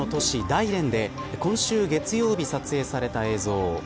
大連で今週、月曜日に撮影された映像。